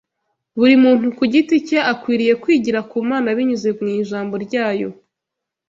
Buri muntu ku giti cye akwiriye kwigira ku Mana binyuze mu Ijambo ryayo